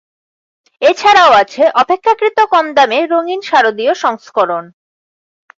এছাড়াও আছে অপেক্ষাকৃত কম দামে রঙিন শারদীয় সংস্করণ।